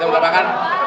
masih berusukan pak pak